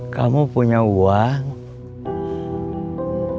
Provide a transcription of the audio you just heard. kamu punya uang